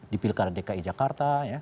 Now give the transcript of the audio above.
di pilkara dki jakarta ya